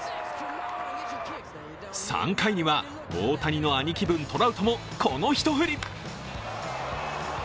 ３回には大谷の兄貴分・トラウトもこの一振り。